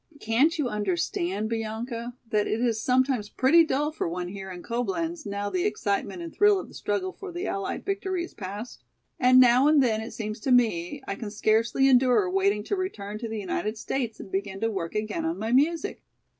Can't you understand, Bianca, that it is sometimes pretty dull for one here in Coblenz now the excitement and thrill of the struggle for the allied victory is past? And now and then it seems to me I can scarcely endure waiting to return to the United States and begin to work again on my music.